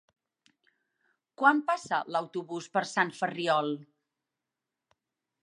Quan passa l'autobús per Sant Ferriol?